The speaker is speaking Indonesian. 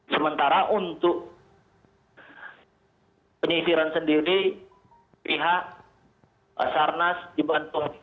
sementara untuk penyisiran sendiri pihak sarnas dibantu